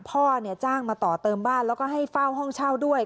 พ่อจ้างมาต่อเติมบ้านแล้วก็ให้เฝ้าห้องเช่าด้วย